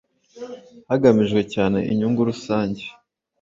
Hagamijwe cyane inyungu rusange.